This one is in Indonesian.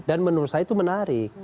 dan menurut saya itu menarik